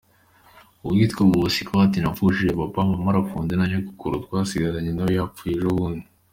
Uwitwa Bosiko ati “Napfushije Papa, Mama arafunze, na Nyogokuru twasigaranye nawe yapfuye ejo bundi.